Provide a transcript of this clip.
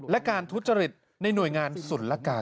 และการทุจฤทธิ์ในหน่วยงานศุลกากร